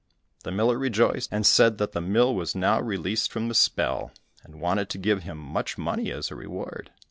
The miller rejoiced, and said that the mill was now released from the spell, and wanted to give him much money as a reward.